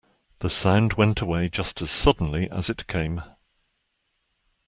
The sound went away just as suddenly as it came.